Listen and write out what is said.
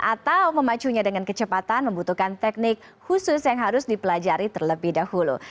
atau memacunya dengan kecepatan membutuhkan teknik khusus yang harus dipelajari terlebih dahulu